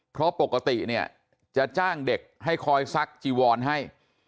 เพราะปกติเนี่ยจะจ้างเด็กให้คอยซักจีวอนให้